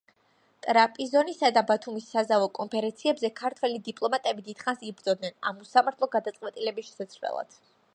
ტრაპიზონისა და ბათუმის საზავო კონფერენციებზე ქართველი დიპლომატები დიდხანს იბრძოდნენ ამ უსამართლო გადაწყვეტილების შესაცვლელად.